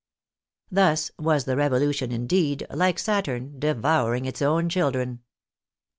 Thus was the Revolution, indeed, like Saturn, devouring its own chil dren.